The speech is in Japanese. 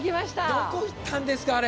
どこ行ったんですかあれ。